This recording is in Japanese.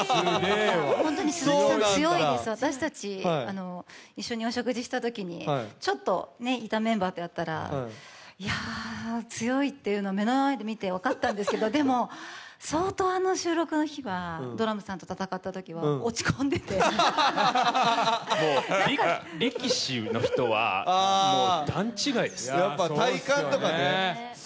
本当に鈴木さん強いです、お食事したときにいたメンバーをやったらいや、強いっていうのを目の前で見て分かったんですけれども、でも、相当あの収録の日はドラムさんと戦った日は落ち込んでいて、もう、力士の人は段違いです。